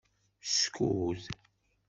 Skud.